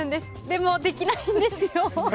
でも、できないんですよ。